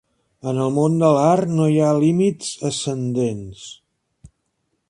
En el món de l'art no hi ha límits ascendents.